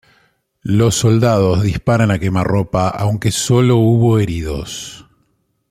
Los soldados disparan a quemarropa, aunque solo hubo heridos.